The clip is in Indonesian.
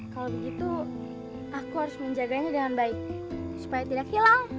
kalau begitu aku harus menjaganya dengan baik supaya tidak hilang